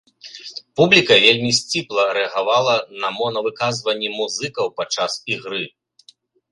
Публіка вельмі сціпла рэагавала на мона-выказванні музыкаў падчас ігры.